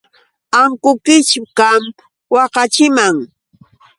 Ankukichkam waqaachiman.